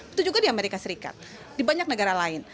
itu juga di amerika serikat di banyak negara lain